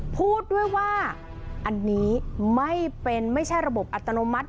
พูดด้วยว่าอันนี้ไม่เป็นไม่ใช่ระบบอัตโนมัติ